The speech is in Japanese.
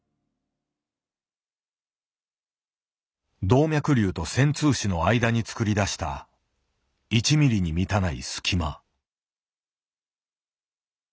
動脈瘤と穿通枝の間に作り出した１ミリに満たない隙間。